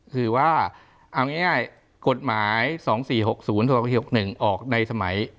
คือว่าเอาง่ายกฎหมาย๒๔๖๐๖๑ออกในสมัย